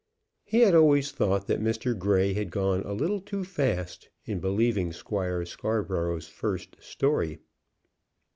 He had always thought that Mr. Grey had gone a little too fast in believing Squire Scarborough's first story.